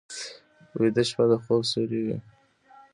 ویده شپه د خوب سیوری وي